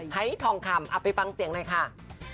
ทองคำเอาไปฟังเสียงหน่อยค่ะ